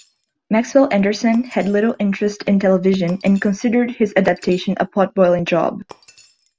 Maxwell Anderson had little interest in television, and considered his adaptation a "potboiling job".